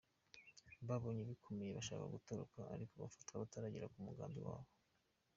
Babonye bibakomeranye bashaka gutoroka ariko bafatwa bataragera ku mugambi wabo.